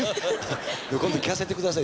今度聴かせてください